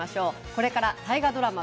これから大河ドラマ